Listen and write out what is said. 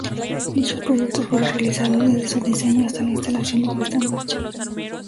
Dichos proyectos fueron realizados desde su diseño hasta la instalación y puesta en marcha.